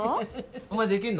お前できんの？